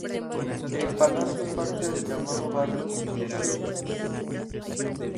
El palacio es parte del llamado Barrio Dieciocho.